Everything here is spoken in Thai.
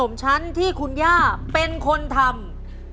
ผมชั้นที่คุณย่าเป็นคนทำ